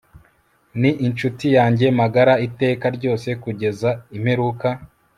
Ni inshuti yanjye magara iteka ryose kugeza imperuka